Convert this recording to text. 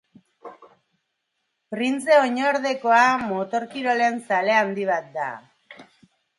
Printze oinordekoa motor-kirolen zale handi bat da.